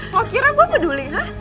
lo kira gue peduli hah